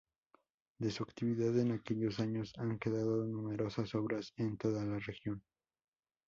De su actividad en aquellos años han quedado numerosas obras en toda la región.